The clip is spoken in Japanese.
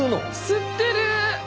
吸ってる！